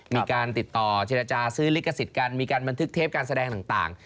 มีการติดต่อเจรจาซื้อลิขสิทธิ์กันมีการบันทึกเทปการแสดงต่าง